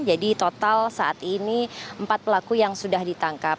jadi total saat ini empat pelaku yang sudah ditangkap